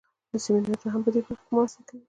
سمینارونه هم په دې برخه کې مرسته کوي.